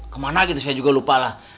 kemana gitu saya juga lupa lah